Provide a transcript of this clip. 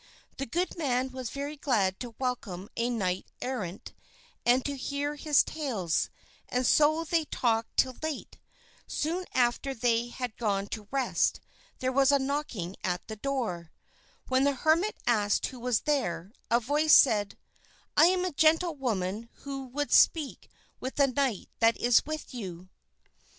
The good man was very glad to welcome a knight errant and to hear his tales, and so they talked till late. Soon after they had gone to rest, there was a knocking at the door. When the hermit asked who was there, a voice said, "I am a gentlewoman who would speak with the knight that is with you."